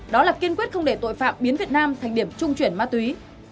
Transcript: đó là kiên quyết không để tội phạm biến việt nam thành điểm trung chuyển ma túy